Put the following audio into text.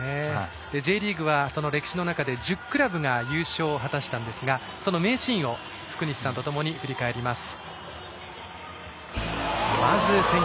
Ｊリーグはその歴史の中で１０クラブが優勝を果たしたんですが、名シーンを福西さんと振り返ります。